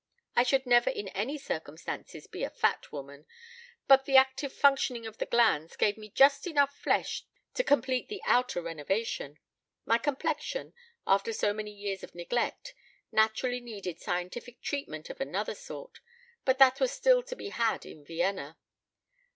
I should never in any circumstances be a fat woman, but the active functioning of the glands gave me just enough flesh to complete the outer renovation. My complexion, after so many years of neglect, naturally needed scientific treatment of another sort, but that was still to be had in Vienna."